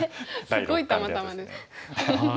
すごいたまたまです。